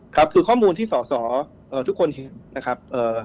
ครับคือข้อมูลที่สอสอทุกคนเห็นนะครับ